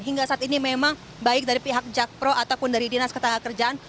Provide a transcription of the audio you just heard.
hingga saat ini memang baik dari pihak jakpro ataupun dari dinas ketenagakerjaan